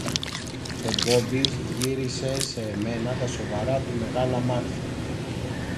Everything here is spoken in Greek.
Ο Μπόμπης γύρισε σε μένα τα σοβαρά του μεγάλα μάτια.